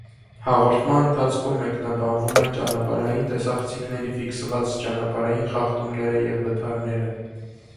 Հաղորդման ընթացքում մեկնաբանվում են ճանապարհային տեսախցիկների ֆիքսած ճանապարհային խախտումները և վթարները։